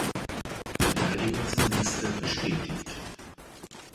Verteidigungsminister bestätigt.